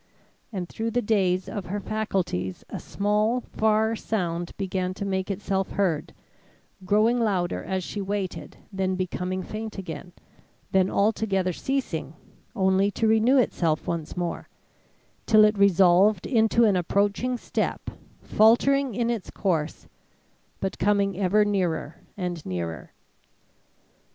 and through the daze of her faculties a small far sound began to make itself heard, growing louder as she waited, then becoming faint again, then altogether ceasing only to renew itself once more, till it resolved into an approaching step, faltering in its course, but coming ever nearer and nearer.